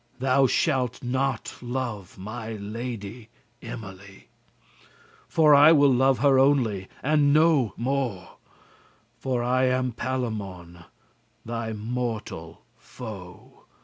Thou shalt not love my lady Emily, But I will love her only and no mo'; For I am Palamon thy mortal foe.